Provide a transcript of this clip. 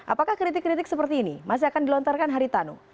apakah kritik kritik seperti ini masih akan dilontarkan haritano